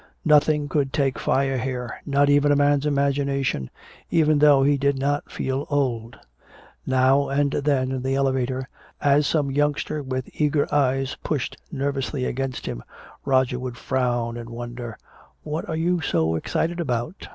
Nothing could take fire here, not even a man's imagination, even though he did not feel old. Now and then in the elevator, as some youngster with eager eyes pushed nervously against him, Roger would frown and wonder, "What are you so excited about?"